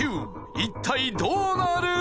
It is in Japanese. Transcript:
一体どうなる？